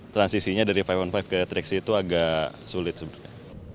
transisinya dari lima on lima ke tiga x tiga itu agak sulit sebenarnya